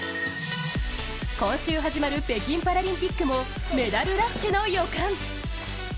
今週始まる北京パラリンピックもメダルラッシュの予感！